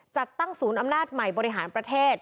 จัดตั้งศูนย์อำนาจใหม่บริหารประเทศ